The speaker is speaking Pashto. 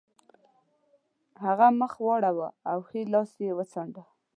هغه مخ واړاوه او ښی لاس یې وڅانډه